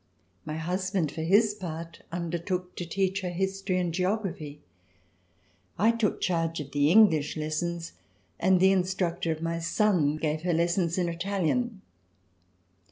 My hus band, for his part, undertook to teach her history and geography. I took charge of the English lessons, and the instructor of my son gave her lessons in Italian.